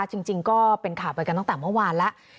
จริงก็เป็นข่าวไปกันตั้งแต่เมื่อวานแล้ว